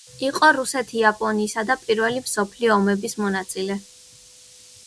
იყო რუსეთ-იაპონიისა და პირველი მსოფლიო ომების მონაწილე.